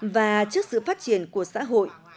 và trước sự phát triển của xã hội